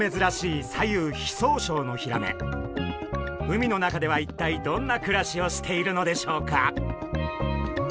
海の中では一体どんな暮らしをしているのでしょうか？